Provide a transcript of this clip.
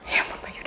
ya ampun pak yuda